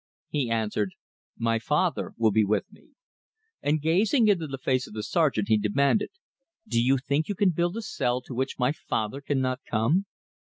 He answered, "My Father will be with me." And gazing into the face of the sergeant, he demanded, "Do you think you can build a cell to which my Father cannot come?"